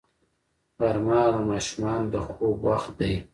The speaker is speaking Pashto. غرمه د ماشومانو د خوب وخت دی